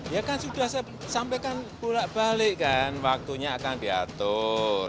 ya kan sudah saya sampaikan pulak balik kan waktunya akan diatur